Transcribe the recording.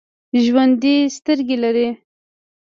ژوندي سترګې لري